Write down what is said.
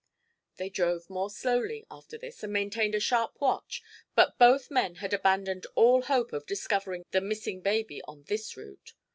They drove more slowly, after this, and maintained a sharp watch; but both men had abandoned all hope of discovering the missing baby on this route.